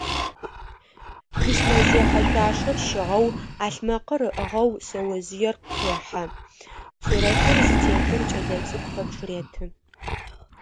Письмэзехьэ шъуашэр щыгъэу, ӏалъмэкъыр ыӏыгъэу шъэожъыер къехьэ, сурэтыр зытетыр кӏэлэцӏыкӏу пэпчъ реты.